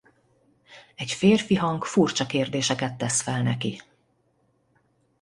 Egy férfi hang furcsa kérdéseket tesz fel neki.